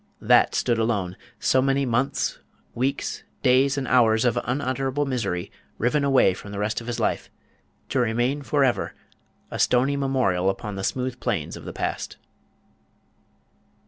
That stood alone so many months, weeks, days, and hours of unutterable misery riven away from the rest of his life, to remain for ever a stony memorial upon the smooth plains of the past.